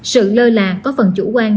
sự lơ là có phần chủ quan